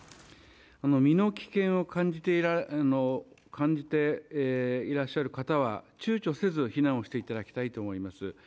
身の危険を感じていらっしゃる方は躊躇せず避難をしていただきたいと思います。